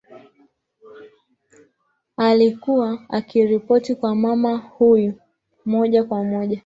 Alikuwa akiripoti kwa mama huyo moja kwa moja